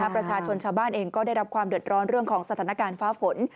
ประชาชนชาวบ้านเองก็ได้รับความเดือดร้อนเรื่องของสถานการณ์ฟ้าฝน